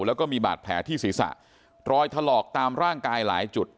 แล้วก็มีบาดแผลที่ศีรษะรอยถลอกตามร่างกายหลายจุด